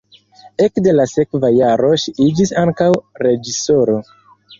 Ekde la sekva jaro ŝi iĝis ankaŭ reĝisoro.